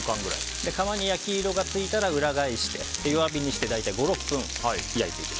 皮に焼き色がついたら裏返して弱火にして大体５６分焼いてください。